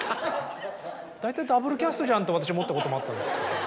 大体ダブルキャストじゃんと私思ったこともあったんですけど。